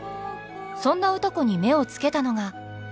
そんな歌子に目をつけたのが。